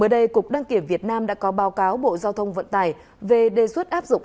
đề cục đăng kiểm việt nam đã có báo cáo bộ giao thông vận tài về đề xuất áp dụng